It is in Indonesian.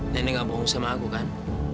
nenek gak bohong sama aku kan